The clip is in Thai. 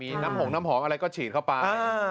มีน้ำหงอะไรก็ฉีดเข้าไป